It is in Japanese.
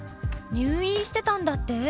「入院してたんだって？